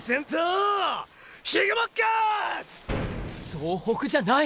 総北じゃない！！